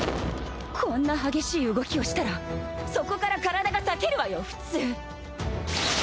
こんな激しい動きをしたらそこから体が裂けるわよ普通